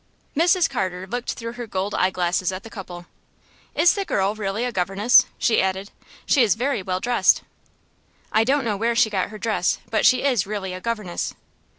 Mrs. Carter looked through her gold eye glasses at the couple. "Is the girl really a governess?" she added. "She is very well dressed." "I don't know where she got her dress, but she is really a governess."